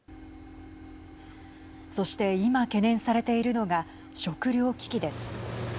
そして、今、懸念されているのが食糧危機です。